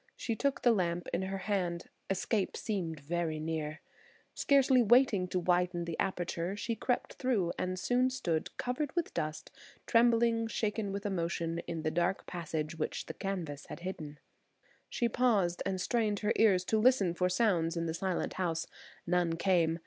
She took the lamp in her hand. Escape seemed very near. Scarcely waiting to widen the aperture, she crept through, and soon stood, covered with dust, trembling shaken with emotion, in the dark passage which the canvas had hidden. She paused and strained her ears to listen for sounds in the silent house. None came.